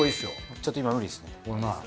ちょっと今無理ですね。